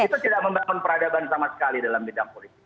ini memang peradaban sama sekali dalam bidang politik